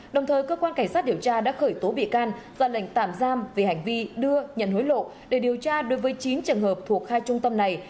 đồng thời cơ quan cảnh sát điều tra đã khởi tố bị can ra lệnh tạm giam về hành vi đưa nhận hối lộ để điều tra đối với chín trường hợp thuộc hai trung tâm này